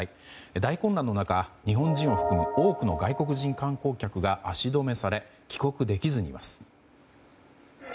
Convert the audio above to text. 大混乱の中、日本人を含む多くの外国人観光客が足止めされ帰国できずにいます。